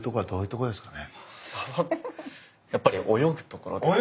やっぱり泳ぐところですかね。